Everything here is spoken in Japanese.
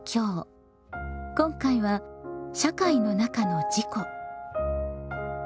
今回は「社会のなかの自己」。